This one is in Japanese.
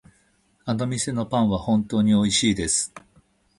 あの店のパンは本当においしいです。